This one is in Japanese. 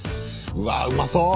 うわうまそう！